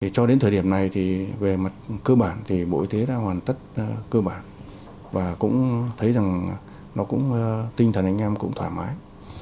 cho đến thời điểm này về mặt cơ bản bộ y tế đã hoàn tất cơ bản